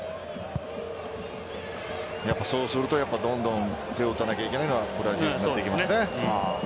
そうすると、やっぱどんどん手を打たなきゃいけないのがブラジルになってきますね。